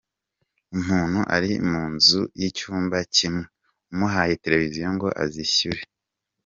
Umuntu ari mu nzu y’icyumba kimwe, umuhaye Televiziyo ngo azishyure!”.